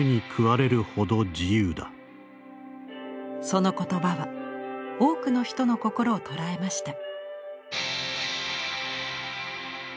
その言葉は多くの人の心を捉えました。